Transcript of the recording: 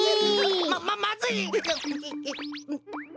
ままずい！